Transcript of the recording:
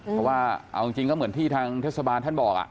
เพราะว่าเอาจริงก็เหมือนที่ทางเทศบาลท่านบอก